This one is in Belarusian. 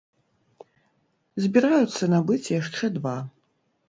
Збіраюцца набыць яшчэ два.